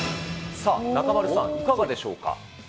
さあ、中丸さん、いかがでしょうか。